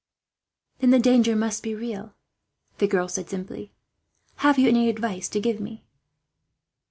"Then the danger must be real," the girl said simply. "Have you any advice to give me?"